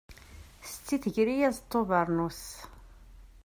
Setti tger-iyi aẓeṭṭa n ubernus.